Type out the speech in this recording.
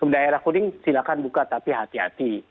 daerah kuning silahkan buka tapi hati hati